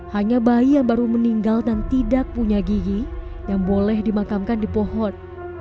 hanya bayi yang baru meninggal dan tidak punya gigi yang boleh dimakamkan di pohon